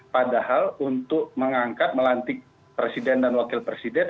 padahal untuk mengangkat melantik presiden dan wakil presiden